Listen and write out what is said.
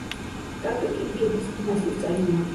კაპეტინგების დინასტიის წარმომადგენელი.